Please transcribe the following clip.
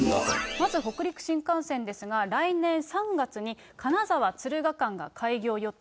まず北陸新幹線ですが、来年３月に金沢・敦賀間が開業予定。